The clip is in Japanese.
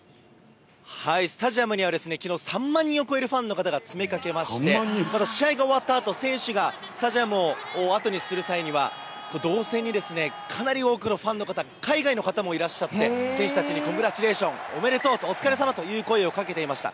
スタジアムにはきのう、３万人を超えるファンの方が詰めかけまして、また試合が終わったあと、選手がスタジアムをあとにする際には、導線にはかなり多くのファンの方、海外の方もいらっしゃって、選手たちにコングラッチュレーション、おめでとうと、お疲れさまという声をかけていました。